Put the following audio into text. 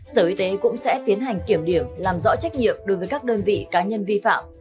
sở y tế cũng sẽ tiến hành kiểm điểm làm rõ trách nhiệm đối với các đơn vị cá nhân vi phạm